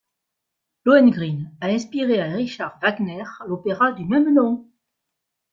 Lohengrin a inspiré à Richard Wagner l’opéra du même nom.